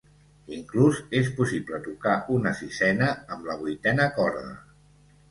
Inclús és possible tocar una sisena amb la vuitena corda.